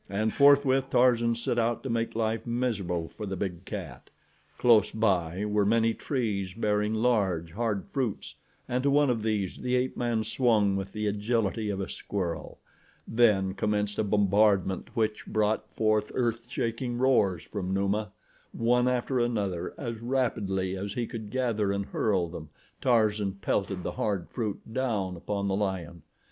And forthwith Tarzan set out to make life miserable for the big cat. Close by were many trees bearing large, hard fruits and to one of these the ape man swung with the agility of a squirrel. Then commenced a bombardment which brought forth earthshaking roars from Numa. One after another as rapidly as he could gather and hurl them, Tarzan pelted the hard fruit down upon the lion.